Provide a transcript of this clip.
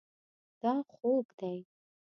دا خوږ دی